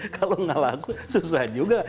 kalau nggak laku susah juga